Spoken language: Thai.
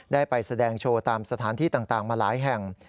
ได้ไปแสดงโชว์ตามสถานที่ต่างมาหลายแห่ง